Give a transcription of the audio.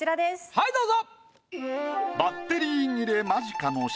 はいどうぞ！